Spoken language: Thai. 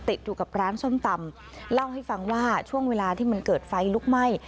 ติดอยู่กับร้านส้มตำเล่าให้ฟังว่าช่วงเวลาที่มันเกิดไฟลุกไหม้